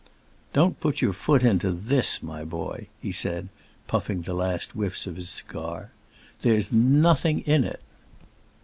"Don't put your foot into this, my boy," he said, puffing the last whiffs of his cigar. "There's nothing in it!"